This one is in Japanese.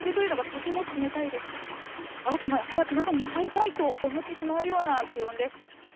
ああ、寒い、早く中に入りたいと思ってしまうような気温です。